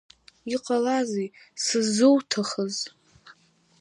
Иҟалазеи, сыззуҭахыз?